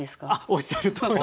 おっしゃるとおり。